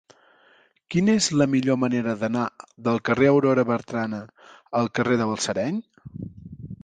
Quina és la millor manera d'anar del carrer d'Aurora Bertrana al carrer de Balsareny?